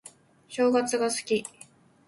正月が好き